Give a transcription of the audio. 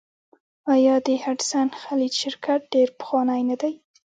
آیا د هډسن خلیج شرکت ډیر پخوانی نه دی؟